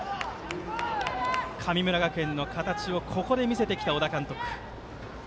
神村学園の形をここで見せてきた小田監督。